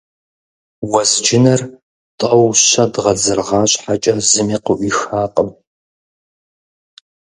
Уэзджынэр тӀэу-щэ дгъэдзыргъа щхьэкӀэ зыми къыӀуихакъым.